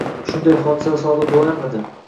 shunday hodisalar sodir bo'larmidi?!